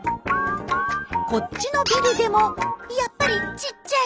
こっちのビルでもやっぱりちっちゃい。